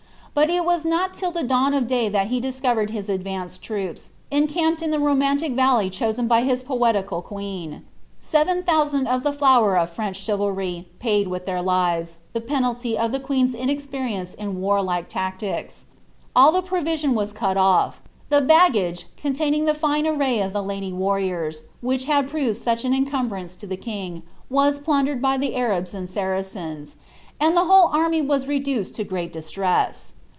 But it was not >.: iIm dawn of day that he discovered Ids advanced troops, encamped .^1 lh« fucnaaiic valley chosen by his poetical queen. Seven thousoiHl of Um Bower of French chivalry paid with tlieir lives the penally of 'i inenperience iu warlike tactics; all the jirovision was cut 1, containing the fine array of iho lady warriors, wtiicli h an encumbrance to ihe king, was plundered by (hfij \t Jm and Saisccns, and the whole army was reduced to great disirei